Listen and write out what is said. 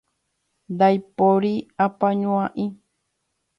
Ndaipóri apañuái.